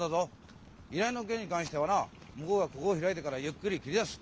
依頼の件に関してはな向こうが心を開いてからゆっくり切り出す。